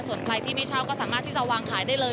ส่วนใครที่ไม่เช่าก็สามารถที่จะวางขายได้เลย